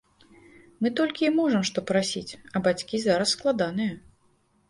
Мы толькі і можам, што прасіць, а бацькі зараз складаныя.